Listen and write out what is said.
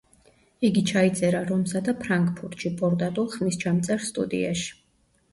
იგი ჩაიწერა რომსა და ფრანკფურტში, პორტატულ ხმისჩამწერ სტუდიაში.